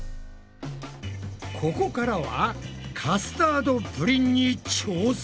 ここからはカスタードプリンに挑戦。